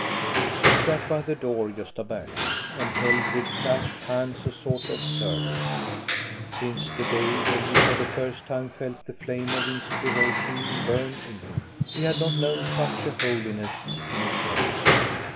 He sat by the door, Gosta Berling, and held with clasped hands a sort of service. Since the day when he for the first time felt the flame of inspiration burn in him, he had not known such a holiness in his soul.